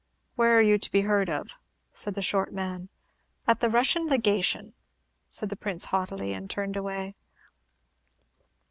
"Where are you to be heard of?" said the short man. "At the Russian legation," said the Prince, haughtily, and turned away.